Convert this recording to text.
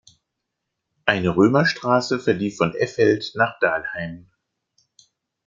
Eine Römerstraße verlief von Effeld nach Dalheim.